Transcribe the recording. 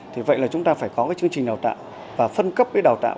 thì vậy là chúng ta phải có chương trình đào tạo và phân cấp đào tạo